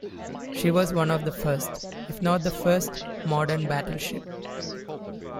She was one of the first, if not the first, modern battleship.